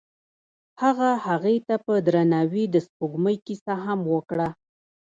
هغه هغې ته په درناوي د سپوږمۍ کیسه هم وکړه.